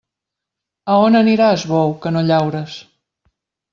A on aniràs, bou, que no llaures?